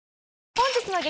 本日の激